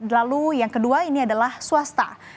lalu yang kedua ini adalah swasta